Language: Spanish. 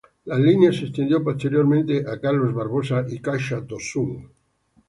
La línea se extendió posteriormente a Carlos Barbosa y Caxias do Sul.